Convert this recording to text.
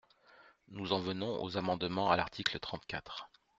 Nous en venons aux amendements à l’article trente-quatre.